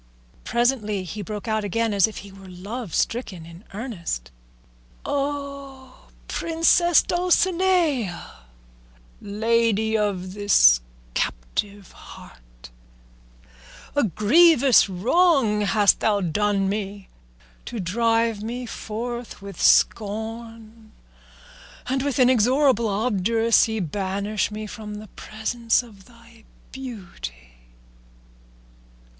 Presently he broke out again, as if he were love stricken in earnest, "O Princess Dulcinea, lady of this captive heart, a grievous wrong hast thou done me to drive me forth with scorn, and with inexorable obduracy banish me from the presence of thy beauty.